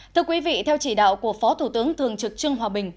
thưa quý vị theo chỉ đạo của phó thủ tướng thường trực trương hòa bình